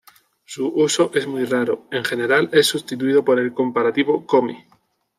Su uso es muy raro, en general es sustituido por el comparativo "come".